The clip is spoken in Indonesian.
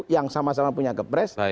yang sama sama punya kepres